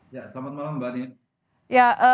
ya selamat malam mbak dian